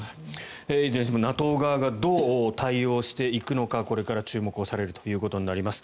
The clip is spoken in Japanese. いずれにしてもＮＡＴＯ側がどう対応していくのかこれから注目されるということになります。